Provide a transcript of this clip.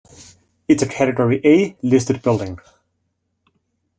It is a category A listed building.